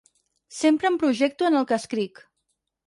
Sempre em projecto en el que escric.